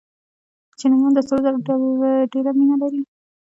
چینایان د سرو زرو ډېره مینه لري.